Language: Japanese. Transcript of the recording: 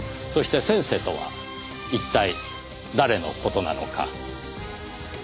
そして「先生」とは一体誰の事なのか。